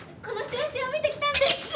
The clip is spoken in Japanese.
このチラシを見てきたんです。